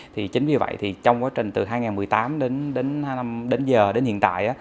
thì chính vì vậy thì trong quá trình từ hai nghìn một mươi tám đến giờ đến hiện tại